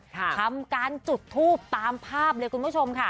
ทำการจุดทูปตามภาพเลยคุณผู้ชมค่ะ